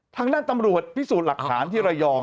ทางด้านตำรวจพิสูจน์หลักฐานที่ระยอง